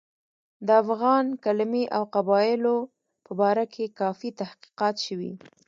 د افغان کلمې او قبایلو په باره کې کافي تحقیقات شوي.